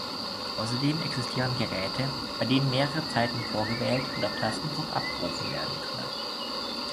Außerdem existieren Geräte, bei denen mehrere Zeiten vorgewählt und auf Tastendruck abgerufen werden können.